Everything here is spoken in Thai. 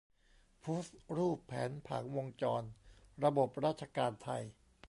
โพสรูปแผนผังวงจรระบบราชการไทย